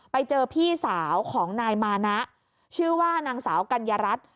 ไปเจอพี่สาวของนายมานะชื่อว่านางสาวกัญญารัฐ